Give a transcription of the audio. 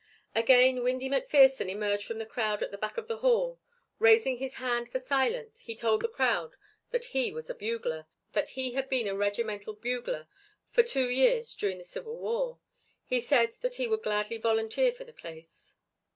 Again Windy McPherson emerged from the crowd at the back of the hall. Raising his hand for silence he told the crowd that he was a bugler, that he had been a regimental bugler for two years during the Civil War. He said that he would gladly volunteer for the place.